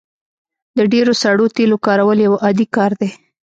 د ډیرو سړو تیلو کارول یو عادي کار دی